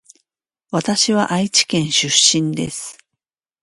わたしは愛知県出身です